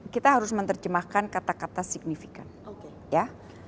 kita harus menerjemahkan kata kata signifikan ya